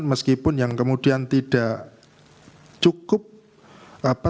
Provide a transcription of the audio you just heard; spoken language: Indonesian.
meskipun yang kemudian tidak cukup apa